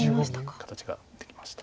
形ができました。